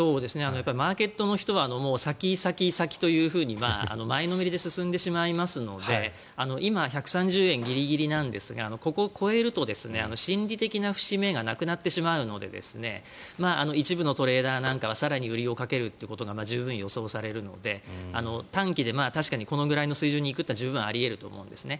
マーケットの人は先、先、先というふうに前のめりで進んでしまいますので今、１３０円ギリギリなんですがここを超えると心理的な節目がなくなってしまうので一部のトレーダーなんかは更に売りをかけるということが十分予想されるので短期で確かにこのぐらいの水準に行くことは十分あり得ると思うんですね。